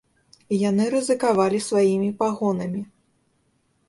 Яны рызыкавалі сваімі пагонамі.